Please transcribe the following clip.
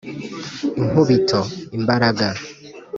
inkubito: imbaraga